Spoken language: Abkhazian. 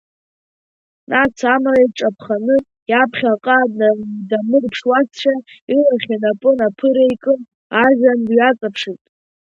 Нас амра иҿаԥханы иаԥхьаҟа дамырԥшуазшәа, илахь инапы наԥыреикын, ажәҩан дҩаҵаԥшит.